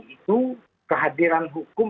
itu kehadiran hukum